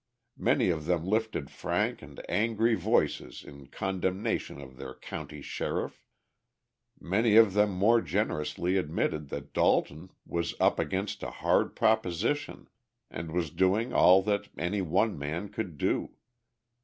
Many of them lifted frank and angry voices in condemnation of their county sheriff, many of them more generously admitted that Dalton was up against a hard proposition and was doing all that any one man could do.